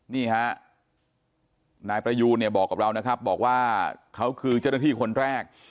นี่ฮะนายประยูนเนี่ยบอกกับเรานะครับบอกว่าเขาคือเจ้าหน้าที่คนแรก